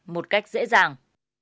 một cách dễ dàng